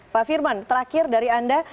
pak firman terakhir dari anda